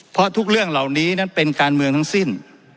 เพราะทุกเรื่องเหล่านี้นั้นเป็นการเมืองทั้งสิ้น